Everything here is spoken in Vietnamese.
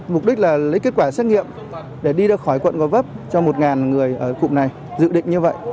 mục đích là lấy kết quả xét nghiệm để đi ra khỏi quận gò vấp cho một người ở cụm này dự định như vậy